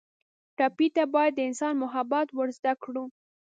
ټپي ته باید د انسان محبت ور زده کړو.